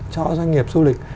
cho doanh nghiệp du lịch